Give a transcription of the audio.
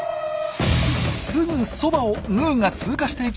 すぐそばをヌーが通過していきました。